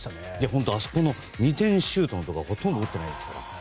本当、あそこの２点シュートのところはほとんど打ってないですから。